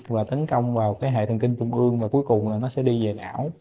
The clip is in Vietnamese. và tấn công vào cái hệ thần kinh trung ương và cuối cùng là nó sẽ đi về đảo